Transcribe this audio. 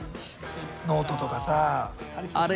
ノートとかさ。